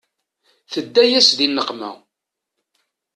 Tedda-yas di nneqma.